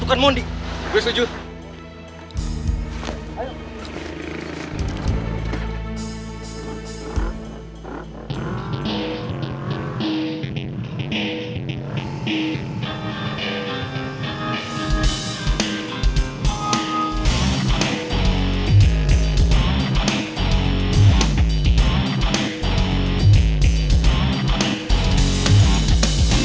kamu juga sayang ya